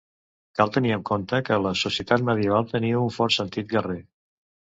Cal tenir en compte que la societat medieval tenia un fort sentit guerrer.